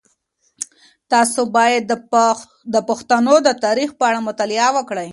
تاسو باید د پښتنو د تاریخ په اړه مطالعه وکړئ.